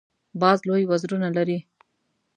باز لوی وزرونه لري